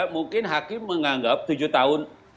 mungkin hakim menganggap tujuh tahun